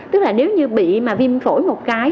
tức là nếu như bị viêm phổi một cái